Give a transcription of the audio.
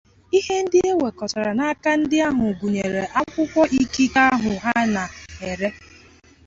Ihe ndị e nwèkọtara n'aka ndị ahụ gụnyèrè akwụkwọ ikike ahụ ha na-ere